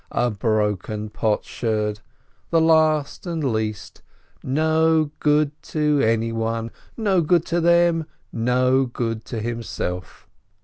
A broken potsherd, the last and least, no good to any one, no good to them, no good to himself.